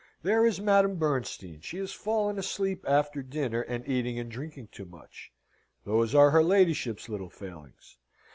There is Madame Bernstein: she has fallen asleep after dinner, and eating and drinking too much, those are her ladyship's little failings.